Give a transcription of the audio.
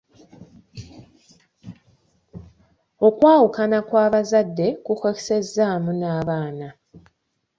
Okwawukana kw'abazadde kukosezaamu n'abaana.